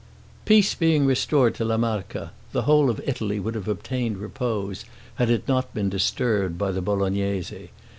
Peace being restored to La Marca, the whole of Italy would have obtained repose had it not been disturbed by the Bolognese.